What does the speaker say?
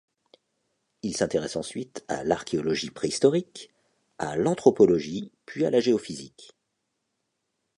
Il s'intéresse ensuite à l'archéologie préhistorique, à l'anthropologie puis à la géophysique.